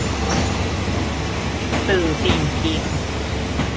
สื่อสิ่งพิมพ์